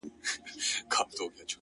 وهر يو رگ ته يې د ميني کليمه وښايه؛